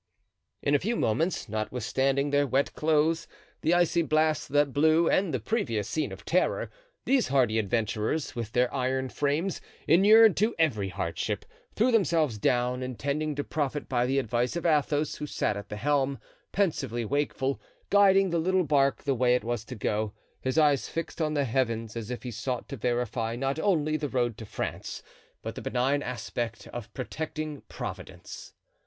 In a few moments, notwithstanding their wet clothes, the icy blast that blew and the previous scene of terror, these hardy adventurers, with their iron frames, inured to every hardship, threw themselves down, intending to profit by the advice of Athos, who sat at the helm, pensively wakeful, guiding the little bark the way it was to go, his eyes fixed on the heavens, as if he sought to verify not only the road to France, but the benign aspect of protecting Providence.